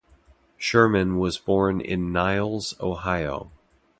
Sherman was born in Niles, Ohio.